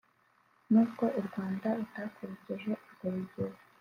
nubwo u Rwanda rutakurikije urwo rugero